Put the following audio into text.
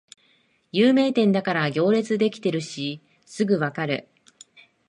有名店だから行列できてるしすぐわかる